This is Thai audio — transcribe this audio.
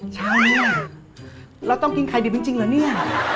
เช้าเนี่ยเราต้องกินไข่ดิมจริงแล้วเนี่ย